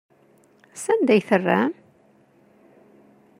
Sanda ay t-terram?